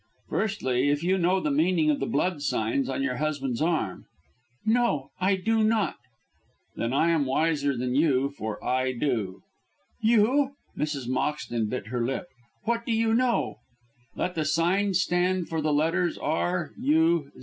"Firstly, if you know the meaning of the blood signs on your husband's arm?" "No! I do not." "Then I am wiser than you, for I do." "You!" Mrs. Moxton bit her lip. "What do you know?" "That the signs stand for the letters R. U.